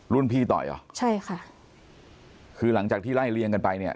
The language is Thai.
รุ่นพี่ต่อยเหรอใช่ค่ะคือหลังจากที่ไล่เลี่ยงกันไปเนี่ย